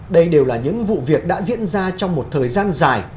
đây đều là những vụ việc đã diễn ra trong một thời gian dài